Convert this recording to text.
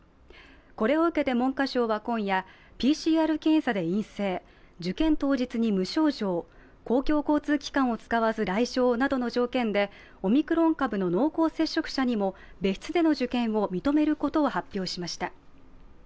これを受けて文科省は今夜、ＰＣＲ検査で陰性、受験当日に無症状、公共交通機関を使わず来場などの条件でオミクロン株の濃厚接触者にも別室での受験を認めることを発表しました。